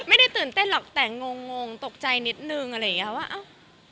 ไม่ได้ตื่นเต้นหรอกแต่งงงตกใจนิดนึงอะไรอย่างเงี้ยว่าอ้าว